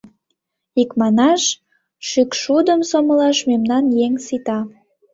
Икманаш, шӱкшудым сомылаш мемнан еҥ сита.